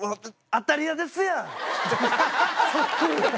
当たり屋ですやん！